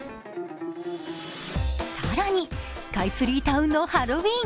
更にスカイツリータウンのハロウィーン。